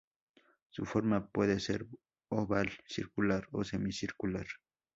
Su forma puede ser oval, circular o semicircular.